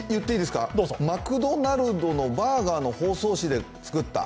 マクドナルドのバーガーの包装紙で作った。